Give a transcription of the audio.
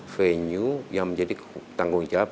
venue yang menjadi tanggung jawab